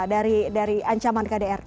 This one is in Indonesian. dari ancaman kdrt